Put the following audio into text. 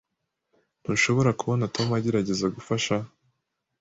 Ntushobora kubona Tom agerageza kugufasha?